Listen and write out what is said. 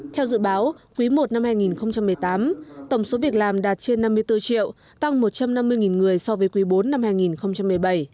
theo dự báo quý i năm hai nghìn một mươi tám tổng số việc làm đạt trên năm mươi bốn triệu tăng một trăm năm mươi người so với quý bốn năm hai nghìn một mươi bảy